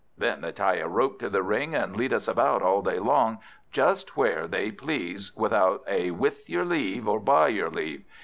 Then they tie a rope to the ring, and lead us about all day long just where they please, without a with your leave, or by your leave!